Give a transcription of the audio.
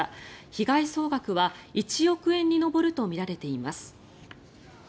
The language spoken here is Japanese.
被害総額は１億円に上るとみられています。